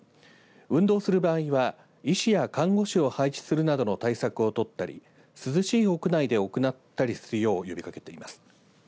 運動する場合は、医師や看護師を配置するなどの対策を取ったり涼しい屋内で行ったりするよう呼びかけています。